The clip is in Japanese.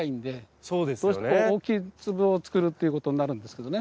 そうすると大きい粒を作るっていうことになるんですけどね。